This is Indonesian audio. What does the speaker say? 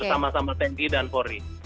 bersama sama tni dan empat e